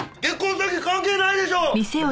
詐欺関係ないでしょう！